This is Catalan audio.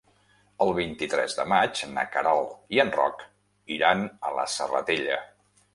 El vint-i-tres de maig na Queralt i en Roc iran a la Serratella.